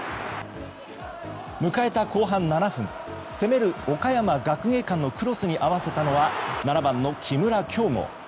迎えた後半７分攻める岡山学芸館のクロスに合わせたのは７番の木村匡吾。